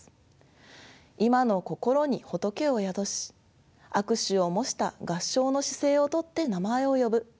今の心に仏を宿し握手を模した合掌の姿勢をとって名前を呼ぶ。